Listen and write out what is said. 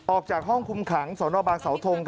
ออกจากห้องคุมขังสนบางสาวทง